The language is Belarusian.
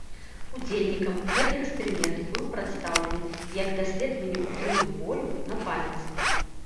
Удзельнікам гэты эксперымент быў прадстаўлены як даследаванне ўплыву болю на памяць.